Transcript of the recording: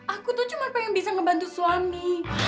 aku tuh cuma pengen bisa ngebantu suami